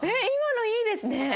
今のいいですね。